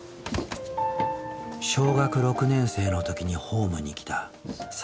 小学６年生の時にホームに来たさくらさん。